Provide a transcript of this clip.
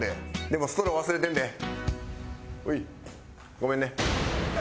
ごめんね。